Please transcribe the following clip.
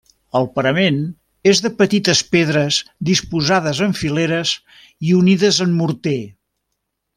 El parament és de petites pedres disposades en fileres i unides amb morter.